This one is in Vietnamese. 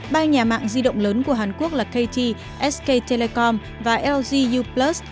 ba nhà mạng di động lớn của hàn quốc là kt sk telecom và lg u plus